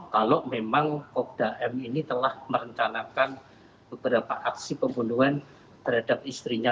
kalau memang kopda m ini telah merencanakan beberapa aksi pembunuhan terhadap istrinya